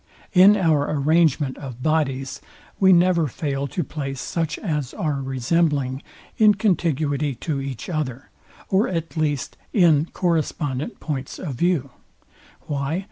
In our arrangement of bodies we never fail to place such as are resembling, in contiguity to each other, or at least in correspondent points of view: Why?